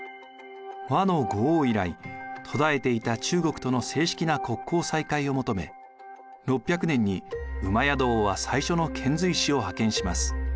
倭の五王以来途絶えていた中国との正式な国交再開を求め６００年に戸王は最初の遣隋使を派遣します。